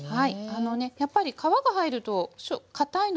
あのねやっぱり皮が入るとかたいのでね